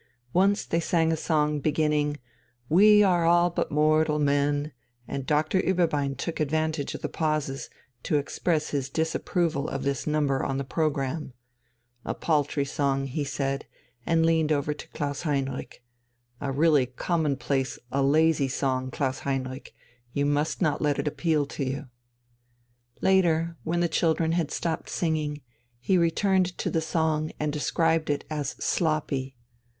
Once they sang a song beginning: "We are all but mortal men," and Doctor Ueberbein took advantage of the pauses to express his disapproval of this number on the programme. "A paltry song," he said, and leaned over towards Klaus Heinrich. "A really commonplace song, a lazy song, Klaus Heinrich; you must not let it appeal to you." Later, when the children had stopped singing, he returned to the song and described it as "sloppy."